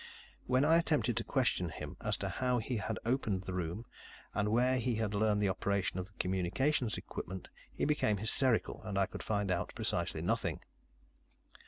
When I attempted to question him as to how he had opened the room, and where he had learned the operation of the communications equipment, he became hysterical and I could find out precisely nothing.